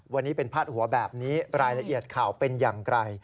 วันนี้เป็นพาดหัวแบบนี้รายละเอียดข่าวเป็นอย่างไร